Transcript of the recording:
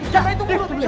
gak gak gak